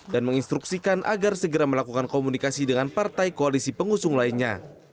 dan menginstruksikan agar segera melakukan komunikasi dengan partai koalisi pengusung lainnya